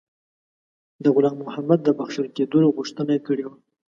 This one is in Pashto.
د غلام محمد د بخښل کېدلو غوښتنه کړې وه.